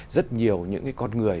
rất nhiều những con người